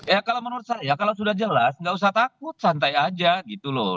ya kalau menurut saya kalau sudah jelas nggak usah takut santai aja gitu loh